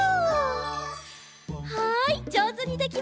はいじょうずにできました。